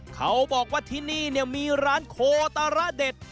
เขาบอกว่าที่นี่มีร้านโคตาระเด็ด